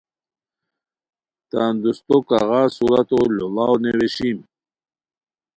تان دوستو کاغذ صورتو لوڑاؤ نیویشیم